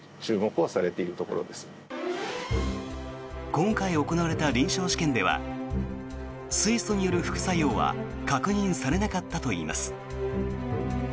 今回行われた臨床試験では水素による副作用は確認されなかったといいます。